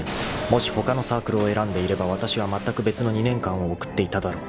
［もしほかのサークルを選んでいればわたしはまったく別の２年間を送っていただろう］